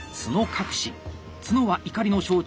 角は怒りの象徴。